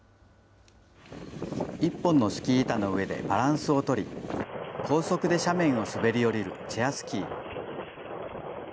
１本のスキー板の上でバランスを取り、高速で斜面を滑り降りるチェアスキー。